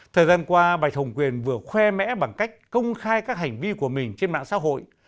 thời gian qua bài hồng quyền vừa khoe mẽ bằng cách công khai các hành vi của mình trên mạng xã hội